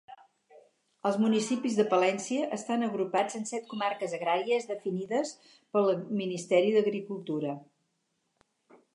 Els municipis de Palència estan agrupats en set comarques agràries definides pel Ministeri d'Agricultura.